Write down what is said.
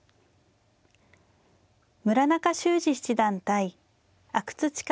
村中秀史七段対阿久津主税